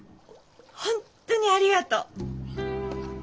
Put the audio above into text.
本当にありがとう。